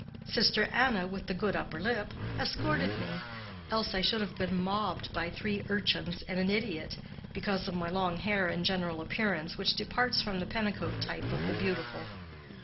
Sister Anna, with the good upper lip, escorted me, else I should have been mobbed by three urchins and an idiot, because of my long hair and a general appearance which departs from the Pennicote type of the beautiful.